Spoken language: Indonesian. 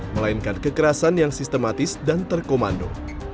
melainkan kekerasan yang sistematis dan terkomando